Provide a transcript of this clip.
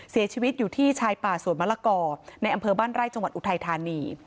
เสียชีวิตอยู่ที่ชายป่าสวนมะละกอในอำเภอบ้านไร่จังหวัดอุทัยธานี